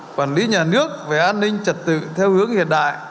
quản lý nhà nước về an ninh trật tự theo hướng hiện đại